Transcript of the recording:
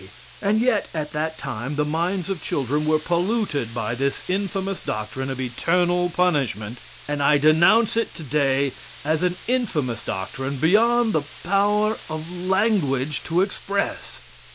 And yet, at that time, the minds of children were polluted by this infamous doctrine of eternal punishment; and I denounce it today as an infamous doctrine beyond the power of language to express.